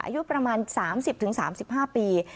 อายุประมาณ๓๐๓๕ปี